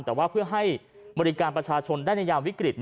แต่ว่าเพื่อให้บริการประชาชนได้ในยามวิกฤต